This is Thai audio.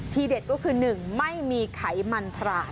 ทีเด็ดก็คือหนึ่งไม่มีไขมันทราน